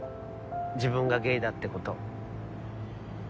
自分がゲイだってこと。